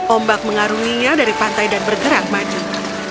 ombak mengarunginya dari pantai dan bergerak maju